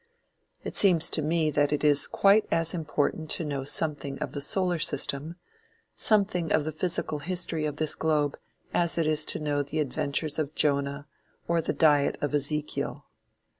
It seems to me that it is quite as important to know something of the solar system, something of the physical history of this globe, as it is to know the adventures of Jonah or the diet of Ezekiel.